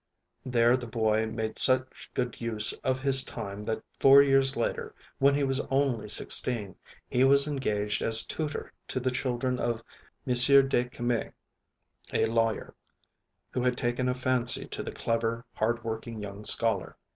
There the boy made such good use of his time that four years later, when he was only sixteen, he was engaged as tutor to the children of M. de Commet, a lawyer, who had taken a fancy to the clever, hardworking young scholar.